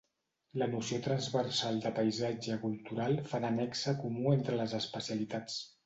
La noció transversal de paisatge cultural fa de nexe comú entre les especialitats.